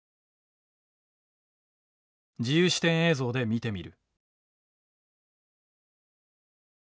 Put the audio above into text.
自由視点映像で見てみる。